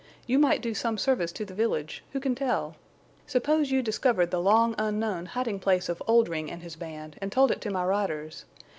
You might do some service to the village—who can tell? Suppose you discovered the long unknown hiding place of Oldring and his band, and told it to my riders?